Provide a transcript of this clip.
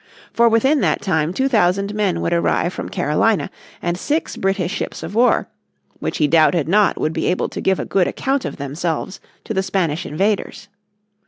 For within that time two thousand men would arrive from Carolina and six British ships of war "which he doubted not would be able to give a good account of themselves to the Spanish invaders."